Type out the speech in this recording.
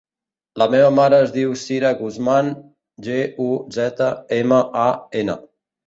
La meva mare es diu Sira Guzman: ge, u, zeta, ema, a, ena.